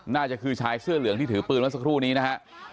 น่าจะคือชายเสื้อเหลืองที่ถือปืนมาสักครู่นี้นะฮะ